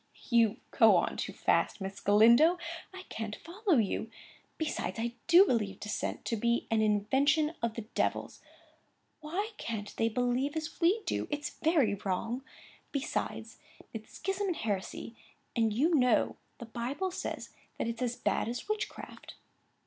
"You go on too fast, Miss Galindo! I can't follow you. Besides, I do believe dissent to be an invention of the Devil's. Why can't they believe as we do? It's very wrong. Besides, its schism and heresy, and, you know, the Bible says that's as bad as witchcraft."